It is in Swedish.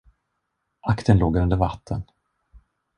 Aktern låg under vatten.